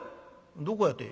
「どこやて？